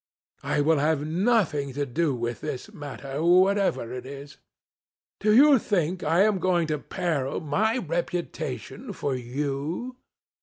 I will have nothing to do with this matter, whatever it is. Do you think I am going to peril my reputation for you?